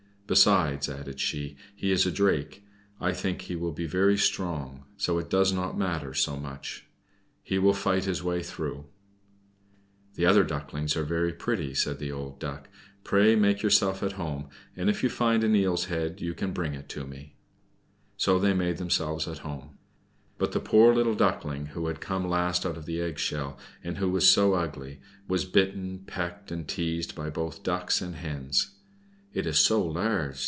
"Besides," added she, "he is a Drake. I think he will be very strong, so it does not matter so much. He will fight his way through." "The other Ducks are very pretty," said the old Duck. "Pray make yourselves at home, and if you find an eel's head you can bring it to me." So they made themselves at home. But the poor little Duckling, who had come last out of its egg shell, and who was so ugly, was bitten, pecked, and teased by both Ducks and Hens. "It is so large!"